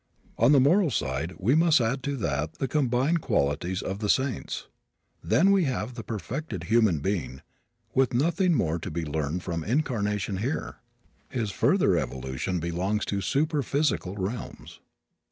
On the moral side we must add to that the combined qualities of the saints. Then we have the perfected human being, with nothing more to be learned from incarnation here. His further evolution belongs to superphysical realms.